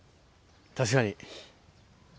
確かに。